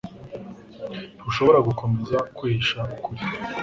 Ntushobora gukomeza kwihisha ukuri.